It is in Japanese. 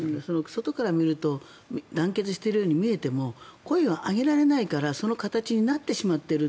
外から見ると団結しているように見えても声を上げられないからその形になってしまっている。